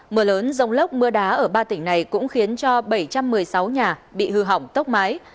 mưa lớn rông lốc mưa đá ở ba tỉnh này cũng khiến cho bảy trăm một mươi sáu nhà bị hư hỏng tốc mái